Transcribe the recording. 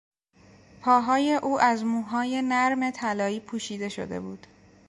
پاهای او از موهای نرم طلایی پوشیده شده بود.